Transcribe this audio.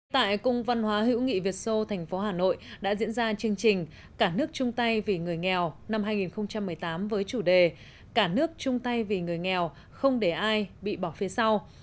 tại cung văn hóa hữu nghị việt sô thành phố hà nội đã diễn ra chương trình cả nước chung tay vì người nghèo năm hai nghìn một mươi tám với chủ đề cả nước chung tay vì người nghèo không để ai bị bỏ phía sau